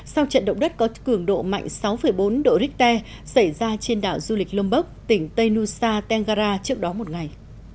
sau trận động đất có cường độ mạnh sáu bốn độ richter xảy ra trên đảo du lịch lonberg tỉnh tây nussa tenggara trước đó một ngày